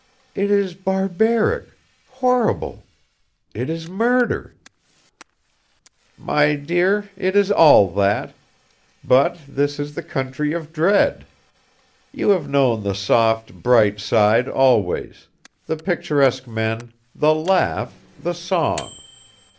"It is barbaric, horrible; it is murder." "My dear, it is all that; but this is the country of dread. You have known the soft, bright side always the picturesque men, the laugh, the song.